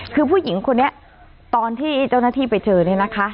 คือผู้หญิงคนนี้ตอนที่เจ้าหน้าที่ไปเจอเนี่ยนะคะ